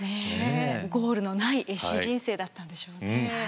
ゴールのない絵師人生だったんでしょうね。